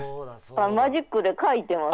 マジックで書いてます。